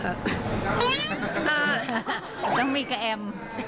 ก็ต้องมีกะแอม